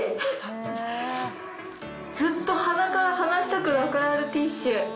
ずっと鼻から離したくなくなるティッシュ。